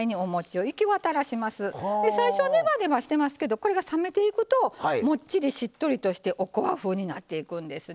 最初はねばねばしてますけどこれが冷めていくともっちりしっとりとしておこわ風になっていくんですね。